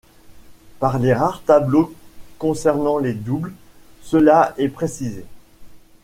Pour les rares tableaux concernant les doubles, cela est précisé.